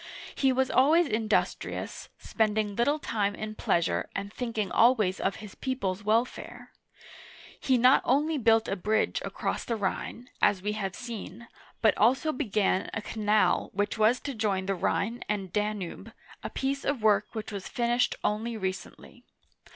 He was always industrious, spend ing little time in pleasure, and thinking always of his people's Welfare. He not only built a bridge across the Rhine, — as we have seen, — but also began a canal which was to join the Rhine and Danube, a piece of work which was finished only recently.